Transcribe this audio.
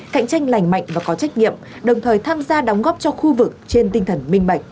cạnh tranh lành mạnh và có trách nhiệm đồng thời tham gia đóng góp cho khu vực trên tinh thần minh bạch